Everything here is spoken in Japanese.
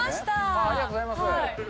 ありがとうございます。